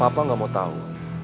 papa gak mau tau